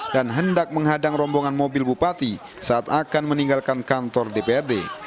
dan hendak menghadang rombongan mobil bupati saat akan meninggalkan kantor dprd